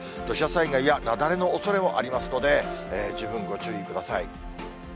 土砂災害や雪崩のおそれもありますので、十分ご注意ください。